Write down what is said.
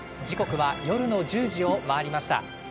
時刻は夜の１０時を回りました。